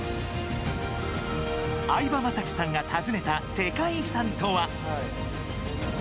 相葉雅紀さんが訪ねた世界遺産とは。